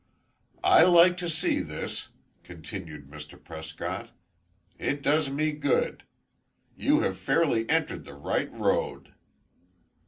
"I like to see this," continued Mr. Prescott. "It does me good. You have fairly entered the right road.